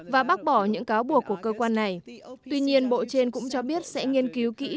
và bác bỏ những cáo buộc của cơ quan này tuy nhiên bộ trên cũng cho biết sẽ nghiên cứu kỹ